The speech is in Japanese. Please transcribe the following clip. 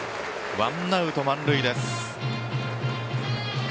ワンアウト満塁です。